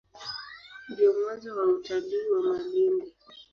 Ndio mwanzo wa utalii wa Malindi.